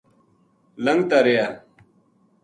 لھنگتا رہیا